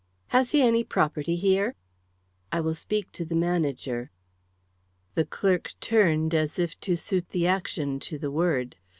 "Has he any property here?" "I will speak to the manager." The clerk turned as if to suit the action to the word.